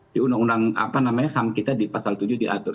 di undang undang ham kita di pasal tujuh diatur